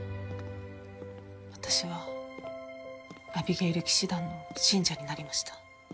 私はアビゲイル騎士団の信者になりました。